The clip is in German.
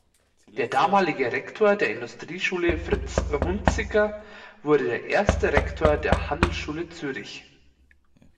Der damalige Rektor der Industrieschule, Fritz Hunziker, wurde der erste Rektor der Handelsschule Zürich.